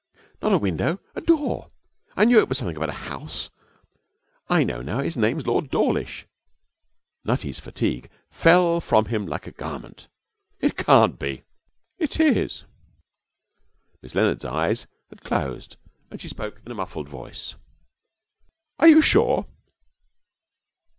'No, not a window a door! I knew it was something about a house. I know now, his name's Lord Dawlish.' Nutty's fatigue fell from him like a garment. 'It can't be!' 'It is.' Miss Leonard's eyes had closed and she spoke in a muffled voice. 'Are you sure?'